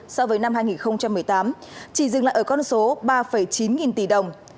so với năm hai nghìn một mươi tám chỉ dừng lại ở con số ba chín nghìn tỷ đồng